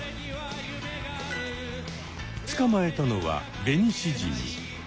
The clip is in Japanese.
つかまえたのはベニシジミ。